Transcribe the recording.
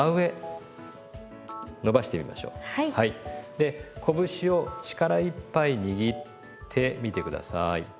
でこぶしを力いっぱい握ってみて下さい。